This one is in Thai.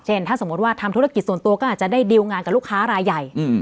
ถ้าสมมุติว่าทำธุรกิจส่วนตัวก็อาจจะได้ดิวงานกับลูกค้ารายใหญ่